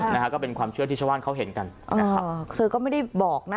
นะฮะก็เป็นความเชื่อที่ชาวบ้านเขาเห็นกันนะครับอ่าเธอก็ไม่ได้บอกนะ